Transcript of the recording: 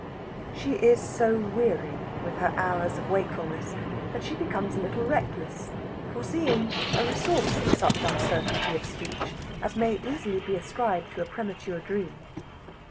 She is so weary with her hours of wakefulness that she becomes a little reckless, foreseeing a resource in such uncertainty of speech as may easily be ascribed to a premature dream.